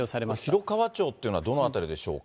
広川町ってのはどの辺りでしょうか。